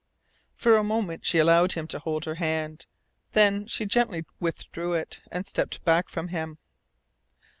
For a moment she allowed him to hold her hand. Then she gently withdrew it and stepped back from him.